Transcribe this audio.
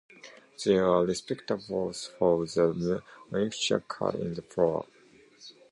There are receptacles for the manure cut in the floor.